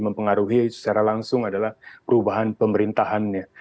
mempengaruhi secara langsung adalah perubahan pemerintahannya